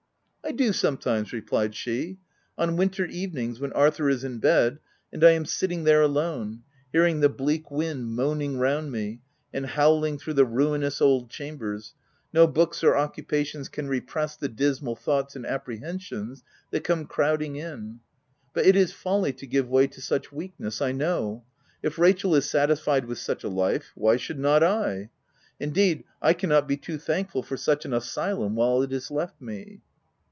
" I do, sometimes," replied she. " On win ter evenings, when Arthur is in bed, and I am sitting there alone, hearing the bleak wind moaning round me and. howling through the ruinous old chambers, no books or occupations can repress the dismal thoughts and appre hensions that come crowding in — but it is folly to give way to such weakness I know — If Rachel is satisfied with such a life, why should not I ?— Indeed I cannot be too thankful for such an asylum, while it is left me."